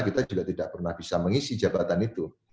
kita juga tidak pernah bisa mengisi jabatan itu